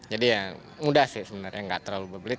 jadi ya mudah sih sebenarnya nggak terlalu beblit